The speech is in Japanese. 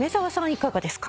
いかがですか？